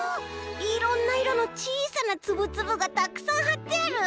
いろんないろのちいさなつぶつぶがたくさんはってある。